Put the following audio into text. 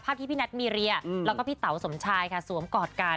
ที่พี่นัทมีเรียแล้วก็พี่เต๋าสมชายค่ะสวมกอดกัน